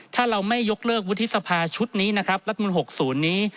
ถ้าเราไม่ยกเลิกวุฒิสภาชุดนี้นะครับรัฐมนุน๖๐นี้